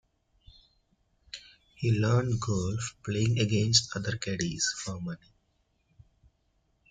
He learned golf playing against other caddies for money.